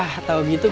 ya tau gitu ya